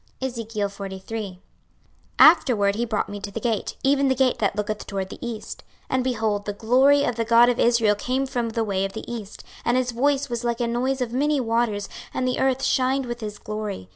26:043:001 Afterward he brought me to the gate, even the gate that looketh toward the east: 26:043:002 And, behold, the glory of the God of Israel came from the way of the east: and his voice was like a noise of many waters: and the earth shined with his glory.